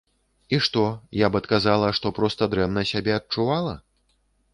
І што, я б адказала, што проста дрэнна сябе адчувала?